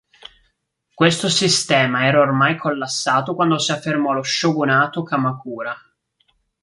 Questo sistema era ormai collassato quando si affermò lo shogunato Kamakura.